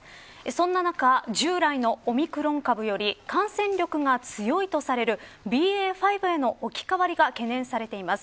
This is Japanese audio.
そんな中、従来のオミクロン株より感染力が強いとされるＢＡ．５への置き換わりが懸念されています。